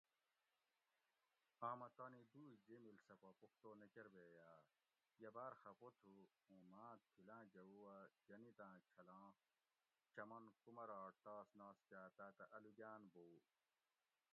آمہ تانی دُوئ جیمیڷ سہۤ پا پختو نہۤ کۤر بیئ آۤ ؟ یہ باۤر خفہ تھُو اُوں ماں تھل آۤں جوؤ اۤ جنِت آۤں چھلاں چمن کُمراٹ تاس ناس کاۤ تاۤتہ الوگاۤن بوؤ